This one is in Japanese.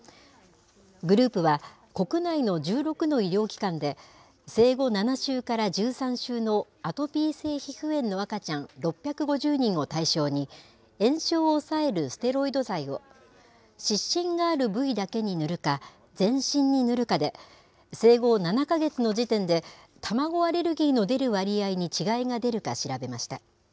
グループは、国内の１６の医療機関で、生後７週から１３週のアトピー性皮膚炎の赤ちゃん６５０人を対象に、炎症を抑えるステロイド剤を、湿疹がある部位だけに塗るか、全身に塗るかで、生後７か月の時点で、卵アレルギーの出る割合に違いが出るか調べました。